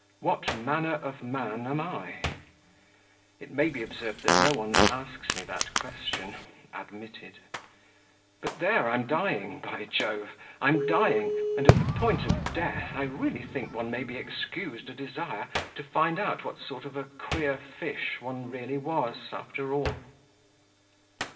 What manner of man am I?... It may be observed that no one asks me that question admitted. But there, I'm dying, by Jove! I'm dying, and at the point of death I really think one may be excused a desire to find out what sort of a queer fish one really was after all.